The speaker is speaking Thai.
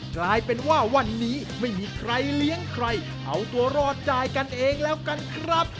กลายเป็นว่าวันนี้ไม่มีใครเลี้ยงใครเอาตัวรอดจ่ายกันเองแล้วกันครับ